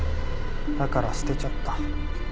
だから捨てちゃった。